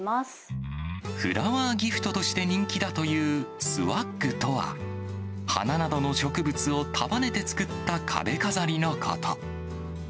フラワーギフトとして人気だというスワッグとは、花などの植物を束ねて作った壁飾りのこと。